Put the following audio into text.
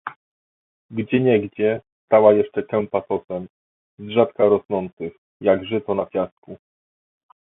"Gdzieniegdzie stała jeszcze kępa sosen, z rzadka rosnących, jak żyto na piasku."